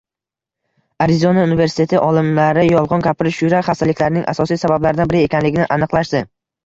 Arizona universiteti olimlari yolgʻon gapirish yurak xastaliklarining asosiy sabablaridan biri ekanligini aniqlashdi.